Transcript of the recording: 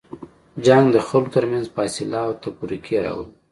جنګ د خلکو تر منځ فاصله او تفرقې راولي.